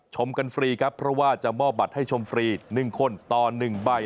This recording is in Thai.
ชมกันฟรีครับเพราะว่าจะมอบบัตรให้ชมฟรี๑คนต่อ๑ใบ